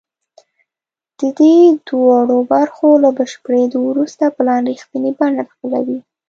د دې دواړو برخو له بشپړېدو وروسته پلان رښتینې بڼه خپلوي